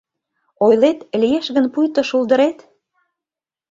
Ойлет, лиеш гын пуйто шулдырет